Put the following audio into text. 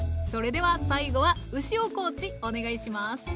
それでは最後は牛尾コーチお願いします。